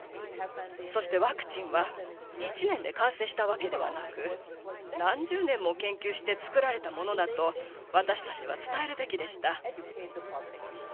そしてワクチンは、１年で完成したわけではなく、何十年も研究して作られたものだと、私たちは伝えるべきでした。